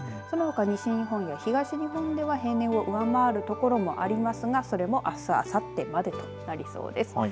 そのほか、西日本や東日本では平年を上回る所もありますがそれも、あすあさってまでとなりそうです。